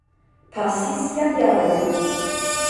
Pasis jam jaroj.